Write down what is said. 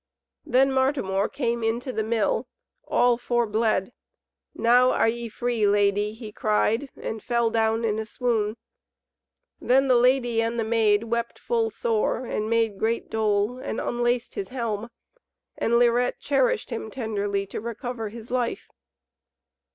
Then Martimor came into the Mill, all for bled; "Now are ye free, lady," he cried, and fell down in a swoon. Then the Lady and the Maid wept full sore and made great dole and unlaced his helm; and Lirette cherished him tenderly to recover his life.